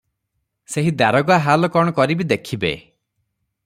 ସେହି ଦାରୋଗା ହାଲ କଣ କରିବି, ଦେଖିବେ ।